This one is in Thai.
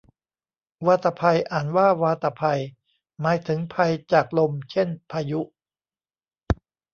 วาตภัย อ่านว่าวาตะไพ หมายถึงภัยจากลม เช่นพายุ